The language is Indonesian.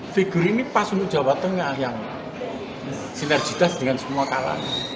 figur ini pas untuk jawa tengah yang sinergitas dengan semua kalangan